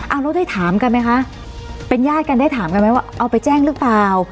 เอาแล้วได้ถามกันไหมคะเป็นญาติกันได้ถามกันไหมว่าเอาไปแจ้งหรือเปล่า